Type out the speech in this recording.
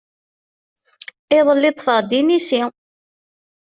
Iḍelli ṭṭfeɣ-d inisi.